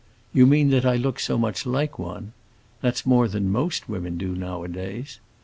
"You mean that I look so much like one? That's more than most women do nowadays.